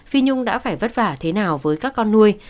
phi nhung đã phải vất vả thế nào với các con nuôi